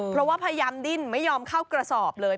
เพราะว่าพยายามดิ้นไม่ยอมเข้ากระสอบเลย